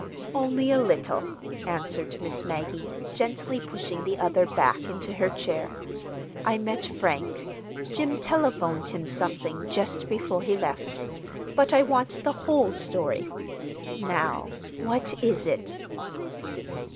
"Only a little," answered Miss Maggie, gently pushing the other back into her chair. "I met Frank. Jim telephoned him something, just before he left. But I want the whole story. Now, what is it?"